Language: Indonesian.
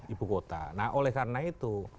ibu kota nah oleh karena itu